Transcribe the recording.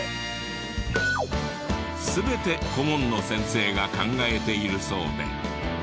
全て顧問の先生が考えているそうで。